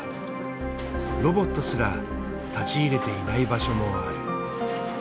ロボットすら立ち入れていない場所もある。